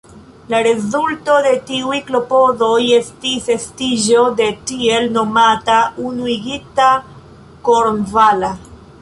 La rezulto de tiuj klopodoj estis estiĝo de tiel nomata "Unuigita kornvala".